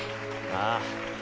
ああ。